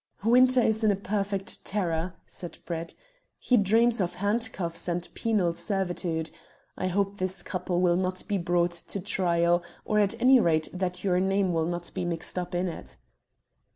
"Winter is a perfect terror," said Brett. "He dreams of handcuffs and penal servitude. I hope this couple will not be brought to trial, or at any rate that your name will not be mixed up in it."